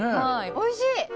おいしい。